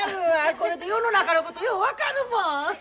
これで世の中のことよう分かるもん。